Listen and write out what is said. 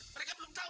mereka belum tau